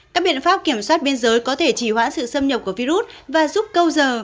các biện pháp kiểm soát biên giới có thể chỉ hoãn sự xâm nhập của virus và giúp câu giờ